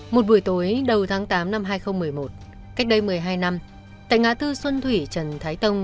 một buổi tối đầu tháng tám năm hai nghìn một mươi một cách đây một mươi hai năm tại ngã tư xuân thủy trần thái tông